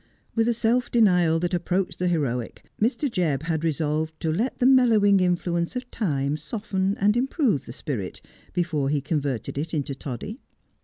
With a self denial that approached the heroic, Mr. Jebb had resolved to let the mellow ing influence of time soften and improve the spirit before he converted it into toddy.